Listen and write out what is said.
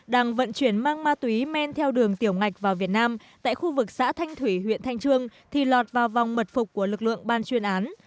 đang vận chuyển mang ma túy men theo đường tiểu ngạch vào việt nam tại khu vực xã thanh thủy huyện thanh trương thì lọt vào vòng mật phục của lực lượng ban chuyên án